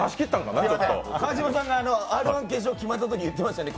川島さんが「Ｒ−１」決勝決まったあとに言ってましたね